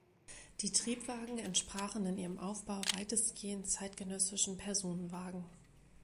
Die Triebwagen entsprachen in ihrem Aufbau weitestgehend zeitgenössischen Personenwagen.